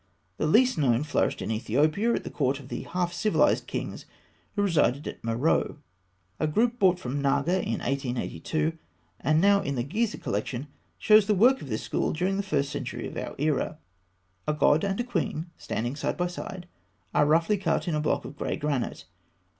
The least known flourished in Ethiopia, at the court of the half civilised kings who resided at Meroë. A group brought from Naga in 1882, and now in the Gizeh collection, shows the work of this school during the first century of our era (fig. 209). A god and a queen, standing side by side, are roughly cut in a block of grey granite.